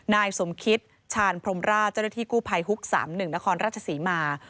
นายสมคิตชาญพรมราชจริตที่กู้ไพรฮุก๓๑นครรัชศรีมาร์